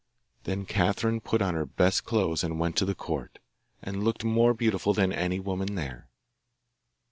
Then Catherine put on her best clothes and went to the court, and looked more beautiful than any woman there.